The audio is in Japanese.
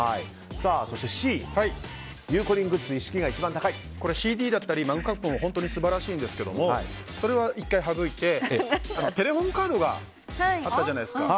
そして、Ｃゆうこりんグッズ一式がこれＣＤもマグカップも本当に素晴らしいですがそれは１回省いてテレホンカードがあったじゃないですか。